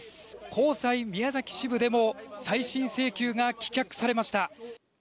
高裁宮崎支部でも再審請求が棄却されました。